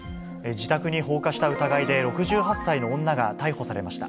自宅に放火した疑いで、６８歳の女が逮捕されました。